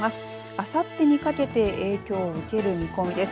あさってにかけて影響を受ける見込みです。